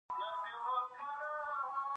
تنور د کورنۍ د خوړو زړه دی